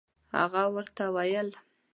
هغه ورته ویل.